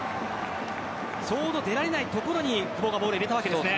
ちょうど出られないところに久保がボールを入れたわけですね。